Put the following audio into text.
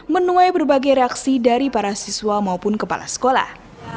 menuai berbagai reaksi dari para siswa maupun kepala sekolah